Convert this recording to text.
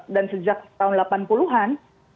dan sejak tahun delapan puluh an